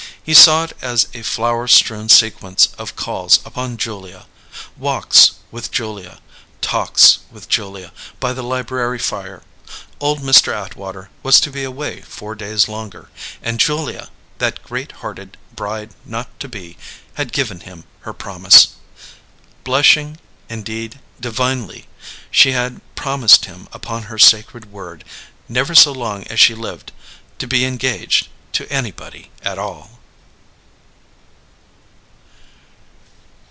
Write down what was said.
He saw it as a flower strewn sequence of calls upon Julia, walks with Julia, talks with Julia by the library fire. Old Mr. Atwater was to be away four days longer, and Julia, that great hearted bride not to be, had given him her promise. Blushing, indeed divinely, she had promised him upon her sacred word, never so long as she lived, to be engaged to anybody at all.